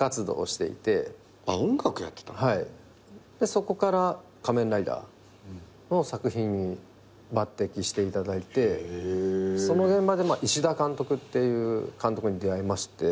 そこから『仮面ライダー』の作品に抜てきしていただいてその現場で石田監督っていう監督に出会いまして。